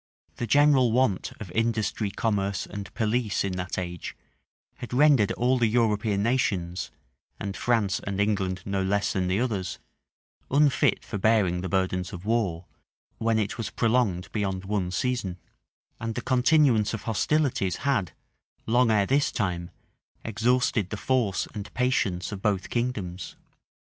The general want of industry, commerce, and police in that age, had rendered all the European nations, and France and England no less than the others, unfit for bearing the burdens of war, when it was prolonged beyond one season; and the continuance of hostilities had, long ere this time, exhausted the force and patience of both kingdoms.